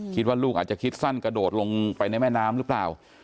คิดว่าลูกอาจจะคิดสั้นกระโดดลงไปในแม่น้ำหรือเปล่า